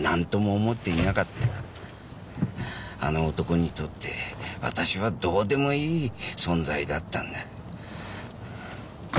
あの男にとって私はどうでもいい存在だったんだ。